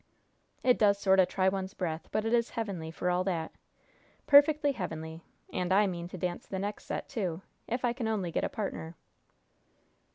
"It does sort o' try one's breath; but it is heavenly, for all that! Perfectly heavenly! And I mean to dance the next set, too, if I can only get a partner!"